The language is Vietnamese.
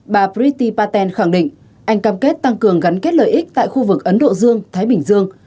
bà brity paten khẳng định anh cam kết tăng cường gắn kết lợi ích tại khu vực ấn độ dương thái bình dương